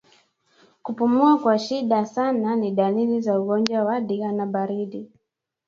Kupumua kwa shida sana ni dalili za ugonjwa wa ndigana baridi